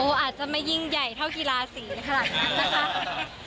อาจจะไม่ยิ่งใหญ่เท่ากีฬาสีขนาดนั้นนะคะ